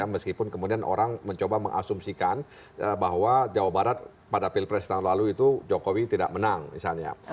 meskipun kemudian orang mencoba mengasumsikan bahwa jawa barat pada pilpres tahun lalu itu jokowi tidak menang misalnya